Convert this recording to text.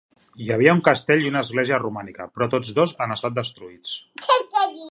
Hi havia un castell i una església romànica, però tots dos han estat destruïts.